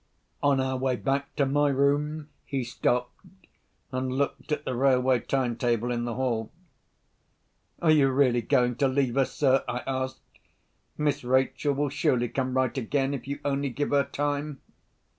On our way back to my room, he stopped, and looked at the railway time table in the hall. "Are you really going to leave us, sir?" I asked. "Miss Rachel will surely come right again, if you only give her time?"